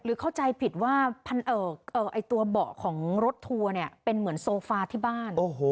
เข้าใจผิดว่าตัวเบาะของรถทัวร์เนี่ยเป็นเหมือนโซฟาที่บ้าน